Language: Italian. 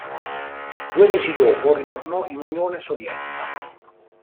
Due mesi dopo ritornò in Unione Sovietica.